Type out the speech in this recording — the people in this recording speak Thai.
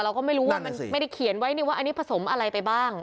เราก็ไม่รู้ว่ามันไม่ได้เขียนไว้นี่ว่าอันนี้ผสมอะไรไปบ้าง